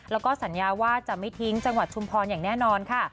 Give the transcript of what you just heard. แล้วก็สัญญาว่าจะไม่ทิ้งจังหวัดชุมพรอย่างแน่นอนค่ะ